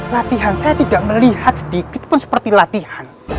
latihan saya tidak melihat sedikit pun seperti latihan